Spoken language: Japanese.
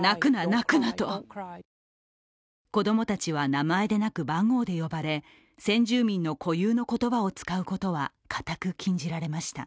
子供たちは名前でなく番号で呼ばれ、先住民の固有の言葉を使うことは固く禁じられました。